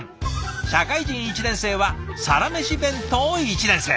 社会人１年生はサラメシ弁当１年生。